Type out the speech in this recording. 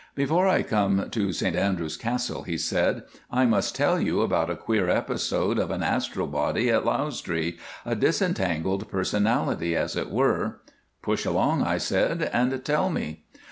"Before I come to St Andrews Castle," he said, "I must tell you about a queer episode of an astral body at Lausdree, a disentangled personality, as it were." "Push along," I said, "and tell me."